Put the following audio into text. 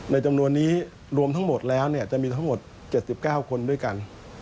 จำนวนนี้รวมทั้งหมดแล้วจะมีทั้งหมด๗๙คนด้วยกัน